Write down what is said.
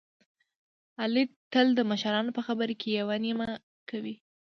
علي تل د مشرانو په خبره کې یوه نیمه کوي.